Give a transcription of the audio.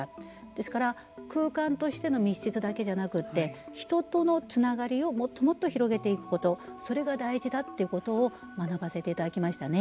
ですから、空間としての密室だけじゃなくて人とのつながりをもっともっと広げていくことそれが大事だってことを学ばせていただきましたね。